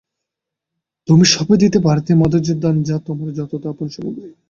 তুমি সঁপে দিতে পারতে মাধুর্যের দান, যা তোমার যথার্থ আপন সামগ্রী।